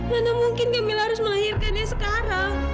mana mungkin gemila harus melahirkannya sekarang